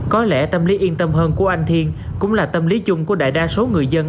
có lẽ tâm lý yên tâm hơn của anh thiên cũng là tâm lý chung của đại đa số người dân